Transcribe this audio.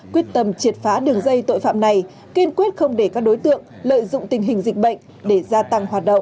quyết tâm triệt phá đường dây tội phạm này kiên quyết không để các đối tượng lợi dụng tình hình dịch bệnh để gia tăng hoạt động